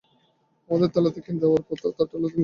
আমাদের থালা তাকে দেওয়ার পর, তার থালাটা নিতে হবে।